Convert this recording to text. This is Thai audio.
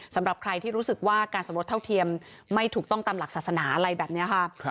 สำหรับใครที่รู้สึกว่าการสมรสเท่าเทียมไม่ถูกต้องตามหลักศาสนาอะไรแบบนี้ค่ะ